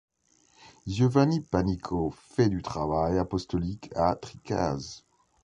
Giovanni Panico fait du travail apostolique à Tricase.